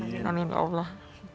amin pak allah